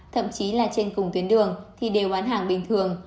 thậm chí là trên cùng tuyến đường thì đều bán hàng bình thường